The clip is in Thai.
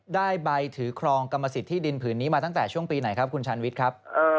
ได้ใบถือครองกรรมสิทธิดินผืนนี้มาตั้งแต่ช่วงปีไหนครับคุณชาญวิทย์ครับ